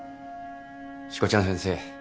しこちゃん先生